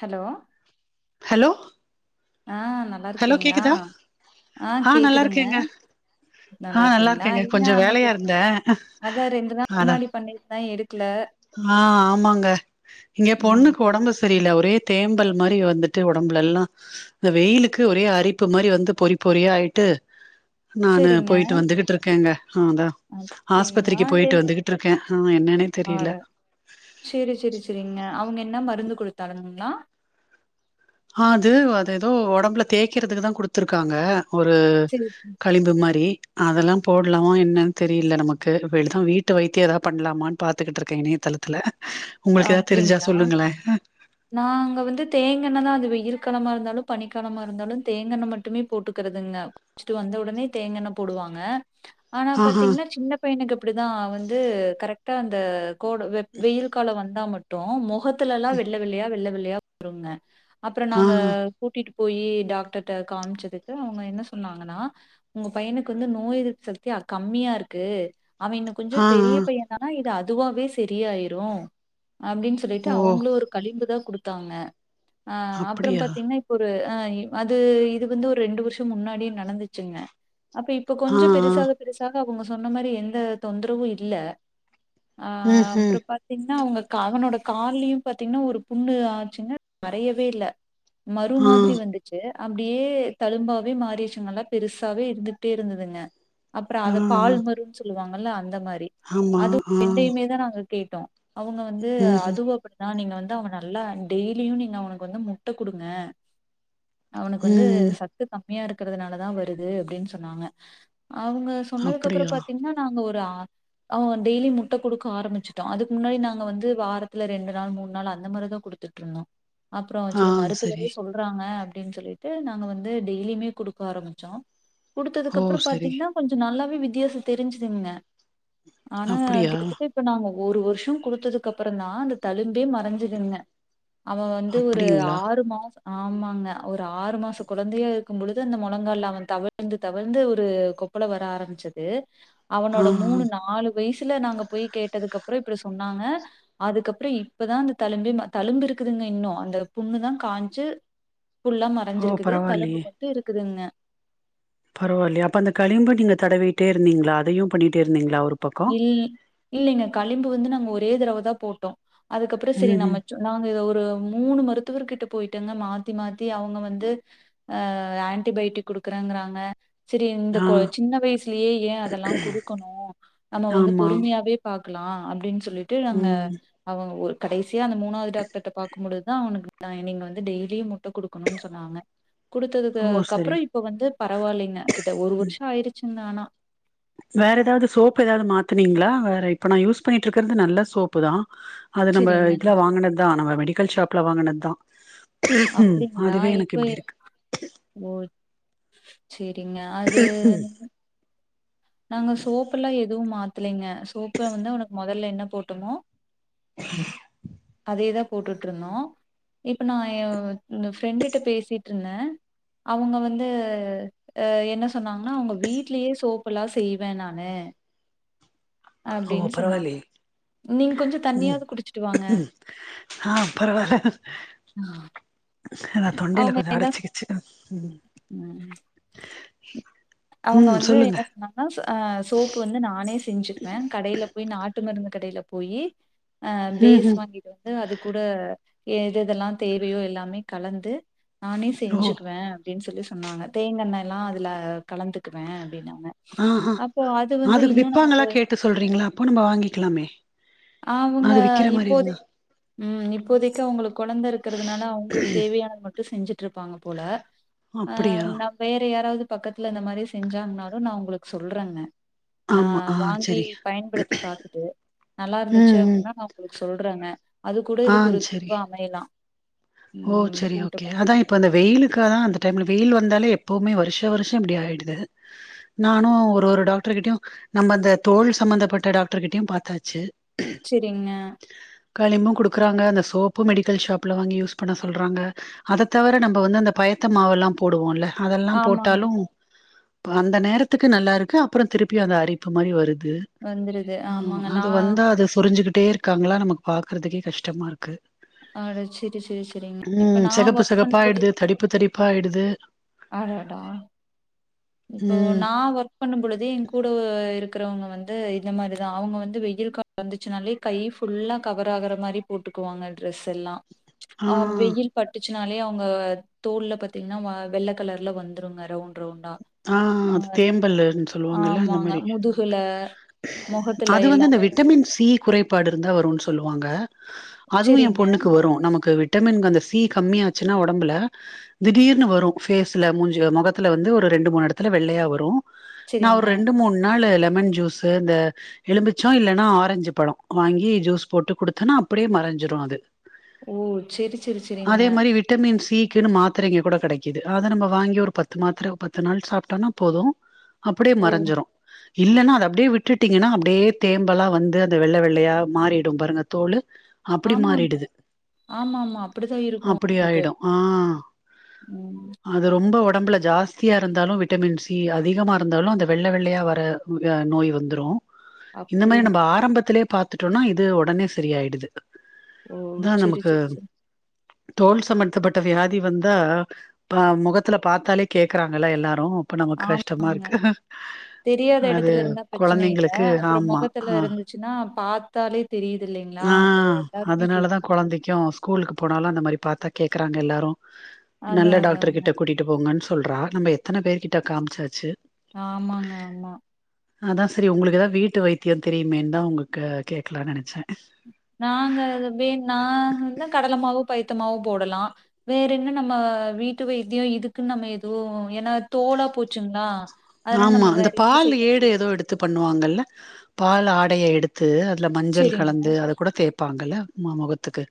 Hello hello ஆ நல்லா hello இருக்கீங்களா கேக்குதா ஆ நல்லா கேக்குதுங்க இருக்கேங்க ஆ நல்லா இருக்கீங்களா இருக்கேங்க இன்னா கொஞ்சோ அன்னிக்கு வேலையா இருந்தே அதா ரெண்டு நாள் அதா முன்னாடி பண்ணிருந்தேன் எடுக் ஆ ஆமாங்க இங்க ம் பொண்ணுக்கு ஒடம்பு சரியில்ல ஒரு ஒரே தேம்பல் மாரி வந்துட்டு ஓடம்புல எல்லாம் இந்த வெயிலுக்கு ஒரே அரிப்பு மாரி வந்து பொறி பொறியா ஆயிட்டு நானு செரிங்க போயிட்டு வந்துக்கிட்டு இருக்கேங்க ஆ அதான் அப்டிங்களா ஆஸ்பத்திரிக்கு எ போயிட்டு வந்துகிட்டு இருக்கேன் ஆ என்னனே ஆட தெரியல செரி செரி செரிங்க அப் அவுங்க என்ன மருந்து கொடுத்தாலுங்களா ஆ அது அது எதோ ஒடம்புல தேய்கருதுக்கு தான் குடுத்துருக்காங்க ஒரு செரி களிம்பு மாரி அதெல்லா போடலாமா என்னன்னு தெரில நமக்கு [unintelligible] வீட்டு வைத்தியம் எதாவது பண்ணலாமான்னு பாத்துக்கிட்டு இருக்கேன் இணையதளத்துல உங்களுக்கு ஏதாவது தெரிஞ்சா அப்பிடிங்களா சொல்லுங்களே நாங்க வந்து தேங்கன்னதான் அது இப்போ இருக்காலமாக இருந்தாலு பனிக்காலமா இருந்தாலு தேங்கா எண்ணெ மட்டுமே போட்டுக்கறது இல்ல குளிச்சுட்டு வந்த உடனே தேங்க எண்ணெ போடுவாங்க ஆனா ஆஹா பாத்தீங்கன்னா சின்ன பையனுக்கு அப்பிடிதான் வந்து கரெக்டா அந்த கோடு வெப் வெயில் வந்தா மட்டு முகத்து முகத்துல எல்லா வெள்ள வெள்ளயா வெள்ள வெள்ளயா வெள்ளையா வருங்க அப்றோ ஆ நாங்க கூட்டிட்டுப் போயி டாக்டர்ட காமிச்சதுக்கு அவுங்க என்ன சொன்னாங்கன்னா உங்க பையனுக்கு வந்து நோய் எதிர்ப்பு சக்தி அ கம்மியா இருக்கு அவன் இன்னு கொஞ்ச ஆ பெரிய ஆ பையன்னா இது அது அதுவாவவே செரியாயிரு அப்டின்னு சொல்லிட்டு ஓ அவுங்களு ஒரு களிம்பு தா குடு தாங்க ஆ அப்பறம் அப்படியா பாத்தீங்கன்னா இப்ப ஒரு ஆ அது இது வந்து ஒரு ரெண்டு வருஷ முன்னாடி நடந்துச்சுங்க அப்ப இப்ப ஆ கொஞ்ச ஆ பெருசாக பெருசா அவங்க சொன்ன மாரி எந்த தொந்தரவு இல்ல ம் ஆஹ் ம் பிரிப்பா ன்னா அவங்க அவனோட காலயு பாத்தீங்கன்ன ஒரு புண்ணு ஆச்சுங்க மரையவே இல்ல மறு ஆ மாதிரி வந்துச்சு அப்டியே தழும்பாவே மாறிச்சுங்கல்ல பெருசாவே இருந்துட்டே இருந்ததுங்க அப்ற ஆ அத ஆ பால் மருனு சொல்லுவாங் மல்ல [unintelligible] அந்த மாரி ஆமா அதுவு ஆ ரேண்டையுமே தா நாங்க கேட்டோ அவங்க வந்து ம் ம் அதுவு அப்படிதா நீங்க வந்து அவன் நல்லா டெய்லியு நீங்க அவனுக்கு வந்து முட்ட குடுங்க அவனுக்கு வந்து ம் சத்து தா மியா இருக்கறதுனாலதா வருது அப்டின்னு சொன்னாங்க அவங்க சொன்னக்கு அப்புற அப்படியா பாத்தீங்கன்னா நாங்க ஒரு அவன் டெய்லி முட்ட குடுக்க ஆரம்பிச்சுடோ அதுக் முன்னாடி நாங்க வந்து வாரத்துல ரெண்டு நாள் மூணு நாள் அந்த மாரிதா குடுத்துட்டு இருந்தோ அப்ரோ ஆ சேரி மருத்துவரே சரி சொல்றாங்க அப்டின் சொல்லிட்டு நாங்க வந்து டெய்லியுமே குடுக்க ஆரம்மிச்சோ குடுத்ததுக்கு ஓ அபுற சரி பாத்தீங்கன்னா கொஞ்ச நல்லா வித்தியாச தெரிஞ்சுதுங்க ஆனா அப்படியா கிட்டதட்ட இப்ப நாங் ஒரு வருஷ குடுத்ததுக்கு அப்பற தா அந்த தழும்பே மறஞ்ஜூதுங்க அவ வந்து ஒரு அப்படிங்களா ஆறு மாச ஆமாங்க ஒரு ஆறு மாச கோழந்தையா இருக்கும் பொழுது அந்த முழங்கால்ல அவன் தவழ்ந்து தவழ்ந்து ஒரு கொப்பல வர ஆரம்ச்சது ஆ ஆ அவனோட மூணு நாலு வயசுல நாங்க போய் கேட்டதுக்குப்புறம் சொன்னாங்க அதுக்கப்புறம் இப்பதான் அந்த தலும்பு தலும்பு இருக்குதுங்க இன்னும் அந்த புண்ணுதான் காஞ்சு ஃபுல்லா ஓ மறைஞ்சிருக்குது தலும்பு மட்டும் இருக்குதுங்க பரவால்லையே அப்ப அந்த கழிம்பு நீங்க தடவிட்டே இருந்தீங்களா அதையும் பண்ணிட்டே இருந்தீங்களா ஒரு பக்கம் இ இல்லைங்க களிம்பு வந்து நாங்க ஒரு ஒரே தடவை தான் போட்டோம் அதுக்கப்புறம் சரி ம் ம் நமைச்சோம் நாங்க இதை ஒரு ஒரு மூணு மருத்துவ கிட்ட போயிட்டங்க மாத்தி மாத்தி அவங்க வந்து அஹ் ஆன்டிபயோட்டிக் கொடுக்குறங்கறாங்க சரி இந்த ஆ சின்ன வயசுலயே ஏன் அதெல்லாம் குடுக்கணும் நம்ம வந்து ஆமா பொறுமையாவே பா பாக்கலா அப்டின் சொல்லிட்டு நாங்க ம் அவங்க ஒர் கடைசியா அந்த மூணாவது டாக்டர்ட பாக்கும் பொழுதுதா அவனுக்கு நீங்க வந்து டெய்லியும் முட்ட குடுக்கணுன்னு சொன்னாங்க ஓ குடுத்ததுக்கு சரி அப்புறோ இப்ப வந்து பரவாயில்லைங்க கிட்ட ஒரு வருஷோ ஆயிடுச்சு ன்னனா வேற ஏதாவது சோப்பு ஏதாவது மாத்தனீங்ளா வேற இப்ப நா யூஸ் பண்ணிட்டு இருக்கறது நல்ல சோப்பு தா அது நம்ம சரிங்க இதுலா வாங்குனதுதா நம்ம மெடி கல் சாப்ல வாங்னத்தா ம் அப்படிங்களா அதுவே எனக்கு இப்ப எப்பிடி இருக்கு செரிங்க அது நாங்க சோப்புல்லா எதுவு மாத் தில்லைங்க சோப்புல வந்து அவனுக்கு மொதல்ல என்ன போட்டோமோ அதேதா போட்டுட்டு இருந்தோ இப்ப நா எ பிரண்டுட்ட பேசிட்ருந்தே அவங்க வந்து என்ன சொன்னாங்கன்னா அவங்க வீட்லயே சோப் பெல்லா செய்வே நானு ஓ அப்டின்னு சொன்னாங்க பரவாயில்லயே நீங்க கொஞ்ச ம் தண்ணியாவது குடிச்சிட்டு வாங்க ஆ பரவால்ல ஏனா தொண்டையில அவங்க கொஞ்சோ என்ன அடைச்சிக்கிச்சு ம், அவங்க ம் வந்து சொல்லுங்க என்ன சொன்னாங்கன்னா சொ அ சோப்பு வந்து நானே செஞ்சுக்குவே கடையில போயி நாட்டு மருந்து கடையில போயி அ ம் பேஸ் ம். வாங்கிட்டு வந்து அது கூட எத் தெல்லா தேவையோ எல்லாமே கலந்து நானே ஓ செஞ்சுக்குவே அப்டின்னு சொல்லி ஸ் ன்னாங்க தேங்கா எண்ணய்ல்லா அதுல கலந்துக்குவே அப்டின்னா ஆஹா அதுக்கு விப்பாங்களா நமக்கு கேட்டு சொல்றீங்களா அப்போ நம்ப வாங்கிக்கலாமே அவுங்க அது விக்கிற மாதிரி இப்போதை இருந்தா ம் இப்போதைக்கு அவுங்களுக் குழந்த இருக்கறதுனால அவங்களுக் தேவையானத மட் ட்டு செஞ்சிட் ட்ருப்பாங்க போல அ அப்படியா நா வேற யாராவது பக்கத்துல இந்த மாரி செஞ்சாங்னாலு நா உங்குளுக் சொல்றேன்னே நா ஆமா ஆ வாங்கி சரி பயன்படுத்தி பாத்துட்டு நல்லா இருந்துச்சு ம் ம் அப்புட்ன்னா நா உங்குளுக்கு சொல்றேங்க அது கூட ஆ இதுக்கு ஒரு சரி தீர்வா அமையலா ஓ ம் சரி போட்டு ஓகே பாத் அதா இப்ப அந்த வெயிலுக்காதா அந்த டைம்ல வெயில் வந்தாலே எப்போமே வருஷ வருஷம் இப்புடி ஆயிடுது நானு ஒரு ஒரு டாக்ட்ரு கிட்டயும் நம்ப அந்த தோல் சம்மந்தப்பட்ட டாக்ட்ரு கிட்டயும் பாத்தாச்சு சேரிங்க களிம்பு குடுக்குறாங்க அந்த சோப்பு மெடிக்கல் ஷாப்ல வாங்கி யூஸ் பண்ண சொல்றாங்க அத தவிர நம்ப வந்து அந்த பயத்த மாவெல்லா போடுவோல்ல அதெல்லா ஆமாங்க போட்டாலு பு அந்த நேரத்துக்கு நல்லா இருக்கு அப்புறோ திருப்பி அந்த அரிப்பு மாரி வரு து வந்துருது ஆ ஆமாங்க அது நான் வந்தா அது சொரிஞ்சுக்குட் ட்டே இருக்காங்களா நமக் பாக்குறதுக்கே கஷ்டமா இருக்கு அட ச்சீ ம் சிகப்பு சிகப்பா பொழுது ஆயிடுது தடிப்பு தடிப்பா ஆயிடுது அடடா இப்போ ம். நா வர்க் பண்ணும் பொழுது என் கூடோ இருக் க்குறவங்க வந்து இந்த மாரி தா அவங்க வந்து வெயில் கா வந்துச்சுனாலே கை ஃபுல்லா கவர் ஆகுற மாரி போட்டுக்குவாங்க ட்ரெஸ்ஸெல்லா ஆ வெயில் பட்டு ச்சுனாலே அவுங்க தோல்ல பாத்தீங்கன்னா வ வெள்ள கலர்ல வந்துருங்க ரவுண்ட் ரவுண்டா ஆஹ் ஆ அது தேம்பல்லுன் சொல்லுவாங்கல்ல அந்த ஆமாங்க மாரி முதுகுல முகத்துல அது வந்து இந்த எல்லாமே விட்டமின் சி குறைபாடிருந்தா வரும்னு சொல்லுவாங்க அதுவும் என் செரிங்க பொண்ணுக்கு வரு நமக்கு விட் ட்டமின் கொஞ்ச சி கம்மியாச்சுன்னா ஒடம்புல திடீர்னு வரு ஃபேசுல மூஞ்சில மொகத்துல வந்து ஒரு ரெண்டு மூணு எடத்துல வெள்ளையா வரு நா செரிங்க ஒர் ரெண்டு மூண் நாளுல மன் ஜூஸ்சு இந்த எலுமிச்சோ இல்லன்னா ஆரஞ்சு பழோ வாங்கி ஜூஸ் போட்டு குடுத்தன்னா அப்டியே மறஞ்சிரு அது ஓ சேரி சேரி சேரிங்க க்குனு மாத்திரைங்க கூட கெடைக்குது அத நம்ம வாங்கி ஒரு பத்து மாத்ர பத் த்து நாள் சாப்ட்டனா போது அப்டியே ஓ மறஞ்சுரு இல்லன்னா அத அப்படியே விட்டுட்டீங்கன்னா அப்டியே தேம்பெலா வந்து அந்த வெள்ள வெள்ளையா மாறிடு பாருங்க தோலு அப்புடி ஆமாங்க மாறிடுது ஆமா ஆமா அப்படிதான் இருக்கும் அப்டி உங்களுக்கு ஆயிடு ஆ ம் அது ரொம்ப ஒட் ஒடம்புல ஜாஸ் த்தியா இருந்தாலு விட்டமின் சி அதிகமா இருந்தாலு அந்த வெள்ள வெள்ளையா வர இந்த நோய் வந்துரு இந்த மாரி அப்படிங் நம்ப ஆரம்பத்திலே பாத்துட்டோனா இது ஒடனே சரி ஆயிடுது ஓ செரி செரி செரி தோல் சம்மந்தப்பட்ட வியாதி வந்தா ப மொகத்துல பாத்தாலே கே க்கறாங்கள எல்லாரு ப்ப நமக்கு ஆம் கஷ்டமா இருக்கு தெரியாத அது எடத்துல இருந்தா பிரச்சன இல்ல கொழந்தைங்களுக்கு அப்புறோ ஆமா மொகத்துல ஆ இருந்துச்சுன்னா பாத்தாலே தெரியுது இல்லைங்களா ஆ அப்ப எல்லாருமே அதனாலதா கேப்பாங்க கொழந்தைக்கு ஸ்கூலுக்கு போனாலு அந்த மாரி பாத்தா கேக்குறாங்க எல்லாரு அதா நல்ல டாக்டர் அதாங்க கிட்ட கூட்டிட்டு போங்கன் ஸ் சொல்றா நம்ம எத்தன பேர்கிட்ட காம்ச்சாச்சு ஆமாங்க ஆமா அதா சரி ம். உங்களுக்கு எதா வீட்டு வைத் த்தியோ தெரியுமேன் தா உங்களுக்கு கேட்கலான்னு நெனச்ச நாங்க வெ நா வந்து கடலமாவு பைத்தமாவு போடலா வேற என்ன நம்ம வீட்டு வைத்தியோ இதுக்குன்னு நம்ம எதுவு என்னா தோலா போச்சுங்களா அதனால ஆமா நம்ம அந்த வேற என்ன பால் செய்ய ஏடு முடியு எதோ எடுத்து பண்ணுவாங்கல்ல பால் ஆடைய எடுத்து து அதுல மஞ்சள் செரிங்க கலந்து அது கூட தே பாங்கல்ல மா மொகத்துக்கு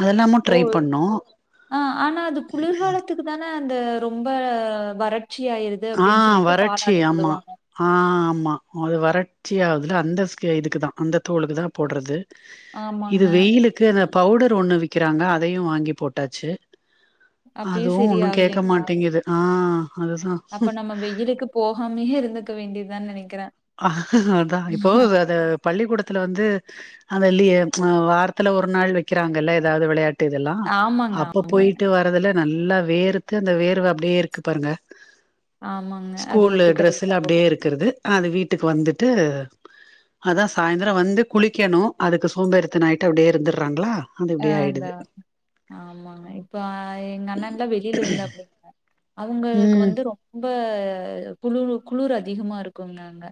அதெல்லாமு ஓ ட்ரை பண்ணோ த்த ரொம்ப வரட் ஆ வறட்சி ஆமா ஆ ஆமா அது வர கச்சி ஆதுல அந்த இதுக்கு தா அந்த தோலுக்கு தா போட்றது இது ஆமாங்க. வெயிலுக்கு அந்த பவுடர் ஒண்ணு விக்கிறாங்க அதையு வாங்கி போட்டாச்சு அப்பயும் அதுவு சரி ஒன்னு கேட்க ஆகலைங்களா? மாட்டேங்குது ஆ அத சொன் அப்ப நம்ம வெயிலுக்கு போகாமேயே இருந் வேண்டியது தான் நினைக்கு அஹ அதான் இப்போ அத பள்ளிக்கூடத்துல வந்து அதுல்லையே வாரத்தில் ஒரு நாள் வைக்கிறாங்கல்ல ஏதாவது விளையாட்டு இதெல்லாம் ஆமாங்க. அப்ப போய்ட்டு வர்றதுல நல்லா வேர்த்து அந்த வேர்வ அப்படியேருக்கு பாருங்க ஆமாங்க. அது ஸ்கூலு ஒத்துக்கிறது இல்ல ட்ரெஸ்ல போல. அப்படியே இருக்கிறது வீட்டுக்கு வந்துட்டு அதா சாயந்தர வந்து குளிக்கணு அதுக்கு சோம்பறித்தனோ ஆயிட்டு அப்படியே இருந்துர்றாங்களா ஆ அதாதா ஆமாங்க இப்போ எங்க அண்ணா இருந்தா வெளியில இருந்த அப்படி அவங்களுக்கு ம் வந்து ரொம்ப ஹ குளிரு குளிரு அதிகமா இருக்கும் அங்க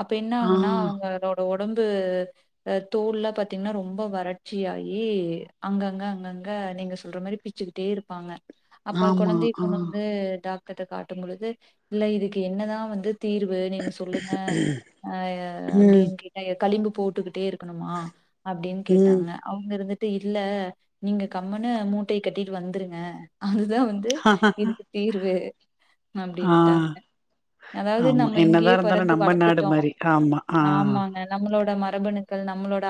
அப்ப என்ன ஆ ஆகுனா அவங்களோட உடம்பு தோல்லா பார்த்தீங்கன்னா ரொம்ப வறட்சி ஆயி அங்கங்க அங்கங்க நீங்க சொல்ற மாதிரி பிச்சுக்கிட்டே இருப்பாங்க அப்ப ஆமா குழந்தை ஆ கொண்டு வந்து டாக்டர் காட்டும் பொழுது இல்ல இதுக்கு என்னதா வந்து தீர்வு நீங்க சொல்லுங்க அ ம் அப்படின்னு களும்பு போட்டுக்கிட்டே இருக்கு ணுமா அப்படின்னு ம் கேட்டாங்க இருந்துட்டு இல்ல நீங்க கம்முன்னு மூட்டைய கட்டிட்டு வந்துருங்க அ அதுதான் வந்து இதுக்கு தீர்வு ஆ அப்படின்ட்டாங்க அதாவது ஆமா நம்ம என்னதா இங்கேயே இருந்தாலு பெறந்து நம்ம நாடு வளர்ந்துட்டோ மாரி ஆமா ஆ ஆமாங்க நம்மளோட மரபணுக்கள் நம்மளோட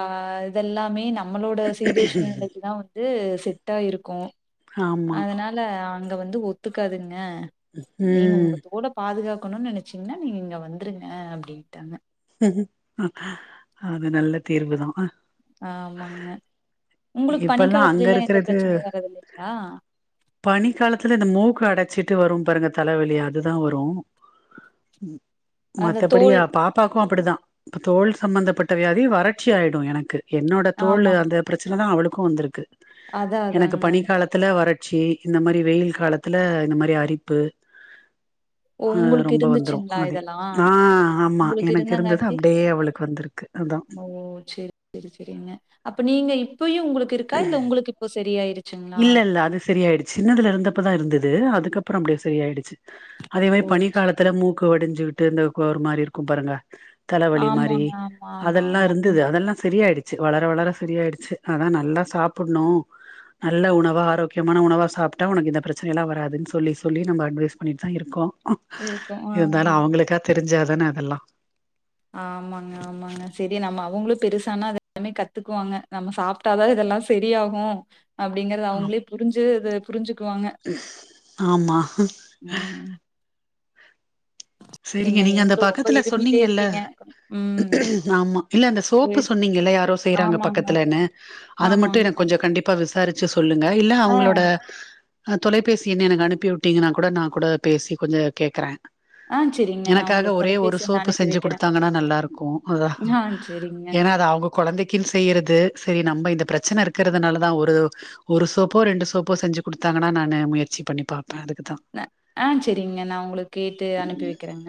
இதெல்லாமே ந நம்மளோட சீதோஷ்ண நிலைக்கு தா வந்து செட்டாயிருக்கு ஆமா அதனால அங்க வந்து ஒத்துக்காது ஆ நீங்க ம் உங்கத் கூட பாதுகாப்பு இருக்கணும்னு நினைச்சீங்கன்னா நீங்க இங்க வந்துருங்க அப்படின்ட்டாங்க அது நல்ல தீர்வு தா ஆமாங்க உங்களுக்கு இப்பல்லா அங்க பனிக்காலத்துலலா எந்த இருக்கிறது பிரச்சனையும் வறது இல்லலைங்களா ட்டு வரும் பாருங்க தலைவலி அதுதா வரு அந்த மத்த படிய தோல் பாப்ப அப்படிதான் இப்ப தோல் சம்பந்தப்பட்ட வியாதி வறட்சி ஆயிடும் எனக்கு என்னோட தோல் ஆமாங்க அந்த பிரச்சனை தான் அவளுக்கு வந்ருக்கு அதா எனக்கு அதாங்க பனி காலத்துல வரட்ட செய்ரி இந்த மாதிரி வெயில் காலத்துல இந்த மாதிரி அரிப்பு ஓ ஆஹ் உங்களுக்கு ரொம்ப வந்துரும் அதேதா ஆஹ் ஆமா எனக்கு இருந்தது இருந்தாங்காட்டி அப்டியே அவளுக்கு வந்திருக்கு அதா ஓ சரி சரி சரிங்க அப்ப நீ நீங்க இ பொய்யும் உங்களுக்கு இருக்கா இல்ல உங்களுக்கு இப்போ சரியாயிருச்ச இல்ல இல்ல அது சரியயிடுச்சு சின்னதுல இருந்தப்பதான் இருந்தது இருந்தது அதுக்கப்புறம் அப்படியே சரி ஆயிடுச்சு அதே மாதிரி ஓ பனி காலத்துல மூ உடைஞ்சு விட்டு இருந்த ஒரு மாதிரி இருக்கும் பாருங்க தலைவழி மாதிரி ஆமாங்க ஆமா ஆமா அதெல்லாம் ஆமா இருந்தது ம் அதெல்லாம் சரியயிடுச்ச சேரி வளர வளர சரிய ஆயடுச்சு அதான் நல்லா சாப்பிடணும் நல்ல உணவாக ஆரோக்கியமான உணவாக சாப்பிட்டா உனக்கு இந்த பிரச்சனையெல்லாம் வராதுன்னு சொல்லி சொல்லி நம்ம அட்வைஸ் பண்ணிட்டு தான் இருக்கோம் இருக்கு ஆ ஆ இருந்தாலும் அவங்களுக்கா தெரி ஞ்சாதானே அதெல்லாம் ஆமாங்க ஆமாங்க சரி நம்ம அவங்களும் பெருசானா அ எல்லாமே கத்துக்குவாங்க நம்ம சாப்பிட்டாதான் இதெல்லாம் சரியாகும் அப்படிங்கறது ஆ அவங்களே புரிஞ்சு புரிஞ்சுக்குவாங்க ஆமா உம் சரிங்க நீங்க அந்த நீங்களும் ரொம்ப பக்கத்துல இருமிட்டே சொன்னீங்கல்ல இருக்கீங்க. ம். ஆமா இல்ல அந்த சோப்பு சரி. சொன்னீங்கல்ல யாரோ செய்யறாங்க ஆமாங்க, பக்கத்துலன்னு அது மட்டும் ஆமாங்க. எனக்கு கொஞ்சம் கண்டிப்பா விச விசாரிச்சு சொல்லுங்க இல்ல ஆ, அவங்களோட அஹ் தொலைபேசி என்ன எனக்கு அனுப்பி விட்டீங்கன்னா கூட நான் கூட பேசி கொஞ்சம் கேக்குறேன் ஆ சரிங்க. நான் எனக்காக உங்களுக்கு ஒரே ஒரு தொலைபேசி எண் சோப்பு அனுப்பி செஞ்சு வைக்கிறேன். கொடுத்தாங்கன்னா நல்லா இருக்கும் அதான் ஆ சரிங்க. ஏன்னா அ அவங்க குழந்தைக்குன்னு செய்யறது சரி நம்ம இந்த பிரச்சனை இருக்கிறதுனால தான் ஒரு ஒரு சோப்போ ரெண்டு சோப்போ செஞ்சு கொடுத்தாங்கன்னா நான் முயற்சி பண்ணி பாபேன் ஆஹ் சரிங்க நான் உங்களுக்கு கேட்டு அனுப்பி வைக்கிறேங்க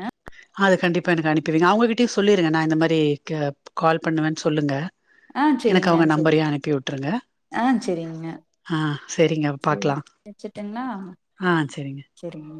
அது கண்டிப்பா எனக்கு அனுப்பிவிங்க அவங்ககிட்டயே சொல்லிருங்க நான் இந்த மாதிரி க கால் பண்ணுவேன்னு சொல்லுங்க ஆஹ் எனக்கு சரிங்க அவங்க சரிங்க நம்பரையும் அனுப்பி விட்டுருங்க. ஆஹ் சரிங்க ஆ சரிங்க சரி பாக்கலாம். வச்சட்டுங்கலா ஆ சரிங்க. சரிங்க